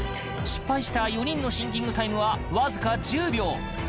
失敗した４人のシンキングタイムは僅か１０秒！